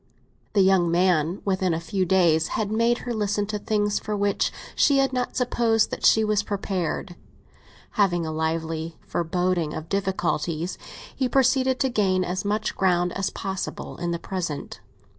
The young man, within a few days, had made her listen to things for which she had not supposed that she was prepared; having a lively foreboding of difficulties, he proceeded to gain as much ground as possible in the present.